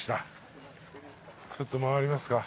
ちょっと回りますか。